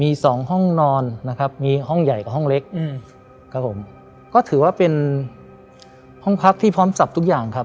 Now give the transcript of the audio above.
มีสองห้องนอนนะครับมีห้องใหญ่กับห้องเล็กอืมครับผมก็ถือว่าเป็นห้องพักที่พร้อมสับทุกอย่างครับ